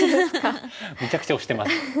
めちゃくちゃ推してます。